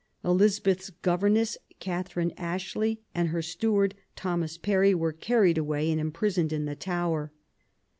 Eliza beth's governess, Catherine Ashley, and her steward, Thomas Parry, were carried away and imprisoned in the Tower.